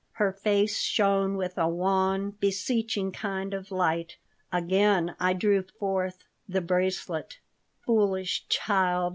Her face shone with a wan, beseeching kind of light Again I drew forth the bracelet "Foolish child!"